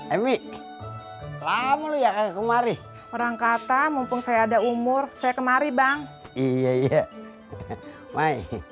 emi lama ya kayak kemari orang kata mumpung saya ada umur saya kemari bang iya iya